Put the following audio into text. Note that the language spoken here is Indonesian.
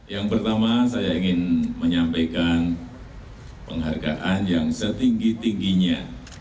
yang pertama saya ingin menyampaikan penghargaan yang setinggi tingginya